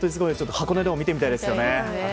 箱根でも見てみたいですよね。